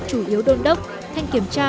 chủ yếu đôn đốc thanh kiểm tra